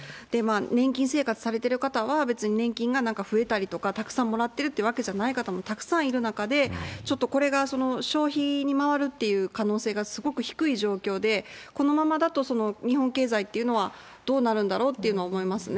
年金生活されてる方は、別に年金がなんか増えたりとか、たくさんもらってるというわけじゃない方もたくさんいる中で、ちょっとこれが消費に回るっていう可能性がすごく低い状況で、このままだと、日本経済っていうのはどうなるんだろうというのは思いますね。